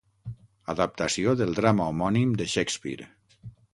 Adaptació del drama homònim de Shakespeare.